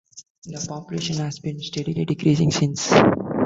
The population has been steadily decreasing since.